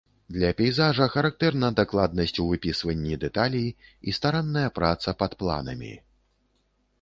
Для пейзажа характэрна дакладнасць у выпісванні дэталей і старанная праца пад планамі.